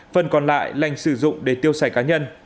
phần còn lại lành sử dụng để tiêu xài cá nhân